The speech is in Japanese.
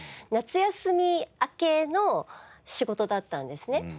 夏休み明けの仕事だったんですね。